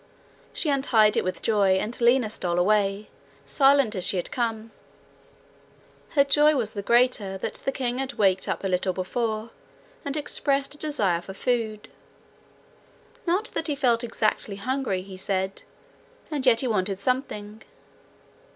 She untied it with joy, and Lina stole away, silent as she had come. Her joy was the greater that the king had waked up a little before, and expressed a desire for food not that he felt exactly hungry, he said, and yet he wanted something.